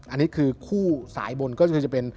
อันนี้คือคู่สายบนก็คือจะเป็น